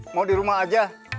mau di rumah aja